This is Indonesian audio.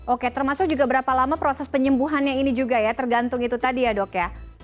oke termasuk juga berapa lama proses penyembuhannya ini juga ya tergantung itu tadi ya dok ya